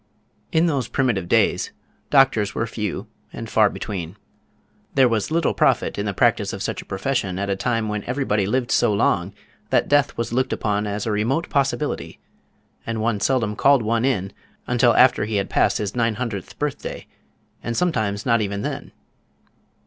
In those primitive days doctors were few and far between. There was little profit in the practice of such a profession at a time when everybody lived so long that death was looked upon as a remote possibility, and one seldom called one in until after he had passed his nine hundredth birthday and sometimes not even then.